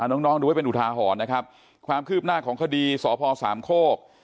น้องน้องดูไว้เป็นอุทาหรณ์นะครับความคืบหน้าของคดีสพสามโคก